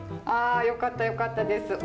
あよかったよかったです。